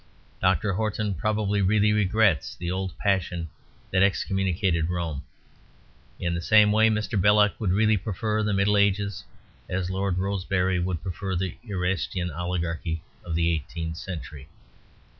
Dr. Horton probably really regrets the old passion that excommunicated Rome. In the same way Mr. Belloc would really prefer the Middle Ages; as Lord Rosebery would prefer the Erastian oligarchy of the eighteenth century.